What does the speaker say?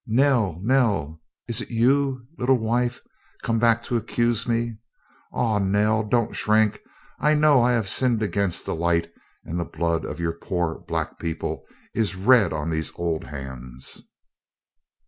"Nell Nell! Is it you, little wife, come back to accuse me? Ah, Nell, don't shrink! I know I have sinned against the light and the blood of your poor black people is red on these old hands.